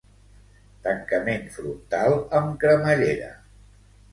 Tancament frontal amb cremallera.